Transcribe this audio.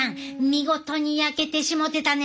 見事に焼けてしもてたね。